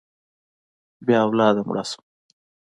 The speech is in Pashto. بې اولاده مړه شوه.